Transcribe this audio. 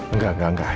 enggak enggak enggak